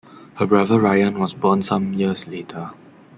Her brother Ryan was born some years later.